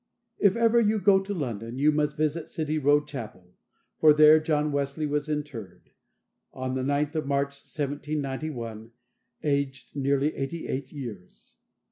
If ever you go to London, you must visit City Road Chapel, for there John Wesley was interred, on the 9th of March, 1791, aged nearly eighty eight years.